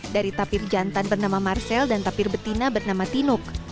dari tapir jantan bernama marcel dan tapir betina bernama tinuk